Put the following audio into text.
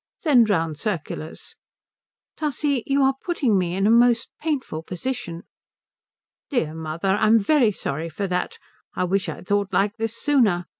"Send round circulars." "Tussie, you are putting me in a most painful position." "Dear mother, I'm very sorry for that. I wish I'd thought like this sooner.